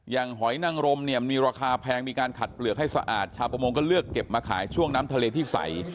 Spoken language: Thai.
หอยนังรมเนี่ยมีราคาแพงมีการขัดเปลือกให้สะอาดชาวประมงก็เลือกเก็บมาขายช่วงน้ำทะเลที่ใส